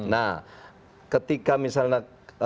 nah ketika misalnya